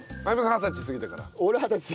二十歳過ぎてから？